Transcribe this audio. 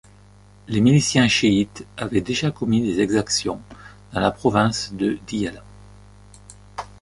Les miliciens chiites avaient déjà commis des exactions dans la province de Diyala.